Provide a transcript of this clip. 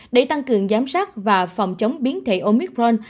để tăng cường giám sát và phòng chống biến thể omicron